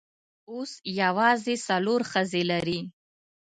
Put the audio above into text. اوس یوازې څلور ښځې لري.